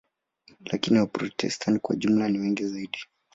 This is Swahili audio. Lakini Waprotestanti kwa jumla ni wengi zaidi.